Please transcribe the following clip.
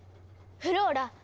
フローラ